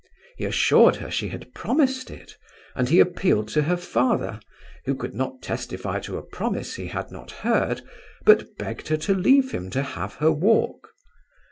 He assured her she had promised it, and he appealed to her father, who could not testify to a promise he had not heard, but begged her to leave him to have her walk.